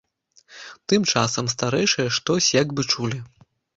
Тым часам старэйшыя штось як бы чулі.